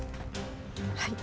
はい。